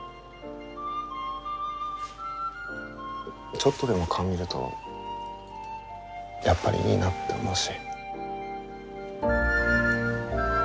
ちょっとでも顔見るとやっぱりいいなって思うし。